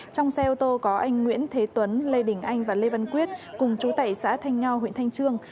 trong xe ô tô có anh nguyễn thế tuấn lê đình anh và lê văn quyết cùng chú tẩy xã thanh nho huyện thanh trương